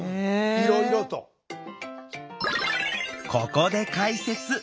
ここで解説！